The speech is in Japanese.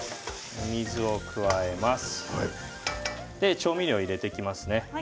調味料を入れていきますね。